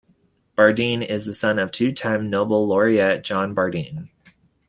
Bardeen is the son of two-time Nobel Laureate John Bardeen.